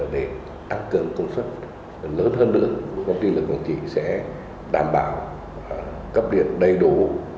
để tăng cường công suất lớn hơn nữa công ty lực lượng chỉ sẽ đảm bảo cấp điện đầy đủ một trăm linh